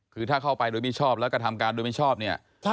คือถ้าเข้าไปโดยมิชอบแล้วก็ทำการโดยไม่ชอบเนี่ย